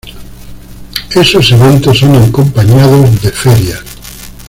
Esos eventos son acompañados de ferias.